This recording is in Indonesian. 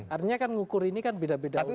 artinya kan ngukur ini kan beda beda